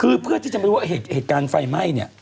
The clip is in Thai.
คือเพื่อที่จะไม่รู้ว่าเหตุการณ์ไฟไหม้เนี่ย